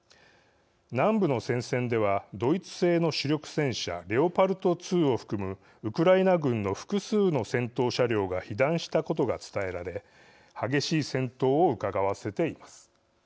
南部の戦線ではドイツ製の主力戦車レオパルト２を含むウクライナ軍の複数の戦闘車両が被弾したことが伝えられ激しい戦闘をうかがわせています。